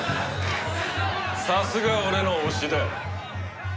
さすが俺の推しだ。